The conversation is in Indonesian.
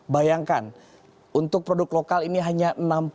bayangkan untuk produk lokal ini hanya enam puluh empat ratus tiga puluh sembilan